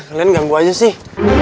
kalian ganggu aja sih